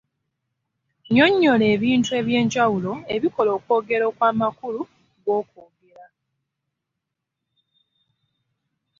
Nnyonnyola ebintu eby'enjawulo ebikola okwogera okw'amakulu g'okwogera